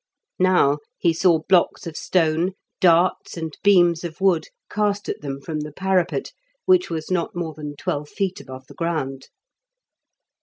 Now he saw blocks of stone, darts, and beams of wood cast at them from the parapet, which was not more than twelve feet above the ground.